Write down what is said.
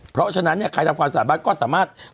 เพราะฉะนั้นเนี่ยใครทำความสะอาดบ้านก็สามารถ